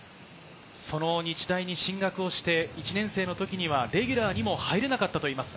日大に進学して１年生の時にはレギュラーにも入れなかったといいます。